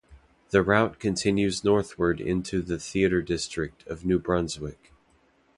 The route continues northward into the Theatre District of New Brunswick.